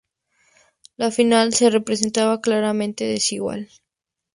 La final se presentaba claramente desigual.